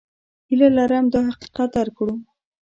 هیله لرم دا حقیقت درک کړو.